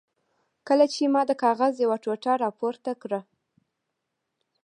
کله چې ما د کاغذ یوه ټوټه را پورته کړه.